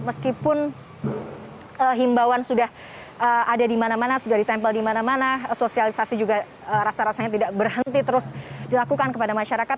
meskipun himbawan sudah ada di mana mana sudah ditempel di mana mana sosialisasi juga rasa rasanya tidak berhenti terus dilakukan kepada masyarakat